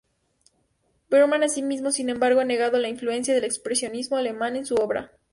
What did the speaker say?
Bergman mismo, sin embargo, ha negado la influencia del expresionismo alemán en su obra.